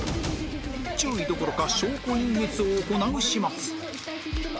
注意どころか証拠隠滅を行う始末